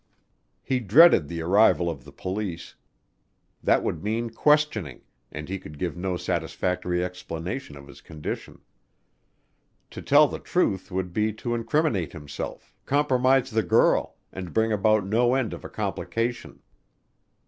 He dreaded the arrival of the police that would mean questioning, and he could give no satisfactory explanation of his condition. To tell the truth would be to incriminate himself, compromise the girl, and bring about no end of a complication.